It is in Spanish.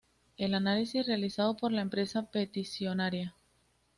el análisis realizado por la empresa peticionaria